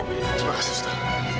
terima kasih suster